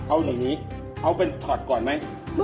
อาหารที่สุดท้าย